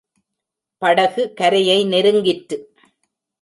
படகு கரையை நெருங்கிற்று.